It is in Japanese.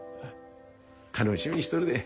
楽しみにしとるで。